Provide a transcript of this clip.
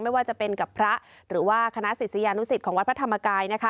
ไม่ว่าจะเป็นกับพระหรือว่าคณะสิทธิ์สยานุสิทของวัดพระธรมากาย